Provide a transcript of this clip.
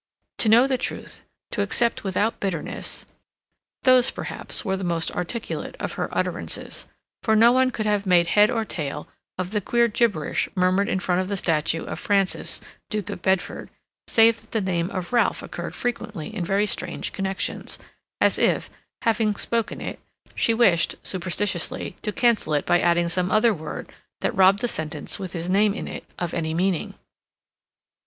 "To know the truth—to accept without bitterness"—those, perhaps, were the most articulate of her utterances, for no one could have made head or tail of the queer gibberish murmured in front of the statue of Francis, Duke of Bedford, save that the name of Ralph occurred frequently in very strange connections, as if, having spoken it, she wished, superstitiously, to cancel it by adding some other word that robbed the sentence with his name in it of any meaning.